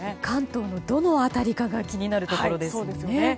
関東のどの辺りかが気になるところですね。